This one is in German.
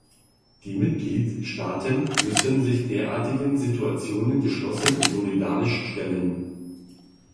Die Mitgliedstaaten müssen sich derartigen Situationen geschlossen und solidarisch stellen.